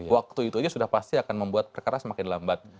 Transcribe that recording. waktu itu aja sudah pasti akan membuat perkara semakin lambat